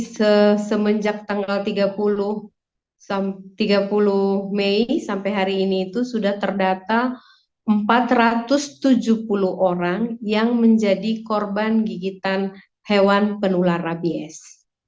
semenjak tanggal tiga puluh mei sampai hari ini itu sudah terdata empat ratus tujuh puluh orang yang menjadi korban gigitan hewan penular rabies